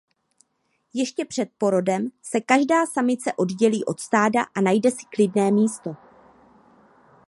Ještě před porodem se každá samice oddělí od stáda a najde si klidné místo.